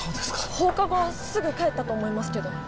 放課後すぐ帰ったと思いますけど。